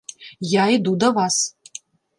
Я іду да вас.